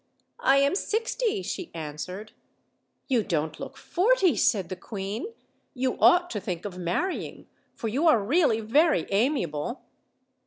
"I am sixty," she answered. "You don't look forty," said the queen. "You ought to think of marrying, for you are really very amiable."